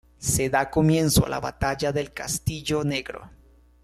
Se da comienzo a la Batalla del Castillo Negro.